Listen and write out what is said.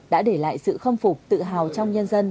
đã để lại sự khâm phục tự hào trong nhân dân